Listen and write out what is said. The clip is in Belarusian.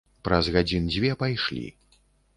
Праз гадзін дзве пайшлі.